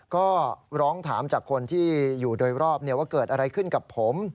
ก็ร้องถามจากคนที่อยู่โดยรอบว่าเกิดอะไรขึ้นกับผม